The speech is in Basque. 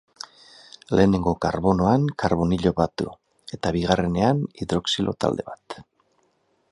Lehenengo karbonoan karbonilo bat du eta bigarrenean hidroxilo talde bat.